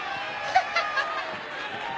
ハハハハハ！